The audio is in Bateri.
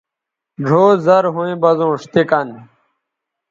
ڙھؤ زرھویں بزونݜ تے کن